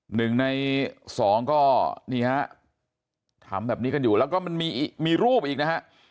หนึ่งในสองก็นี่ฮะทำแบบนี้กันอยู่แล้วก็มันมีรูปอีกนะฮะ